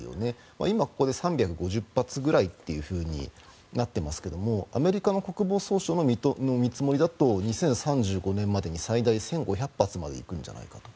今、ここで３５０発ぐらいとなっていますがアメリカの国防総省の見積もりだと２０３５年までに最大１５００発まで行くんじゃないかと。